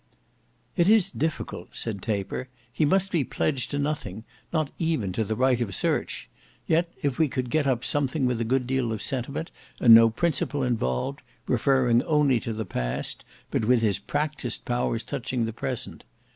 "It is difficult," said Taper; "he must be pledged to nothing—not even to the right of search. Yet if we could get up something with a good deal of sentiment and no principle involved; referring only to the past, but with his practised powers touching the present.